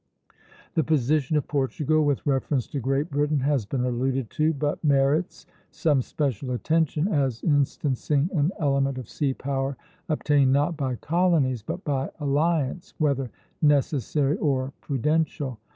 The position of Portugal with reference to Great Britain has been alluded to, but merits some special attention as instancing an element of sea power obtained not by colonies, but by alliance, whether necessary or prudential.